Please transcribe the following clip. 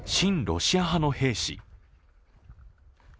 ロシア派の兵士。